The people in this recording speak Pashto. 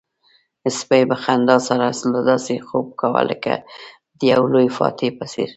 سپي په خندا سره داسې خوب کاوه لکه د یو لوی فاتح په څېر.